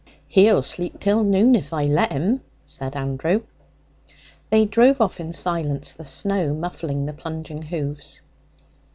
'He'll sleep till noon if I let 'im,' said Andrew. They drove off in silence, the snow muffling the plunging hoofs.